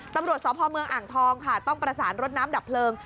ตำรวจสพเมืองอ่างทองค่ะต้องประสานรถน้ำดับเพลิง